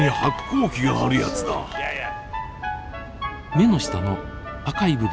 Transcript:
目の下の赤い部分。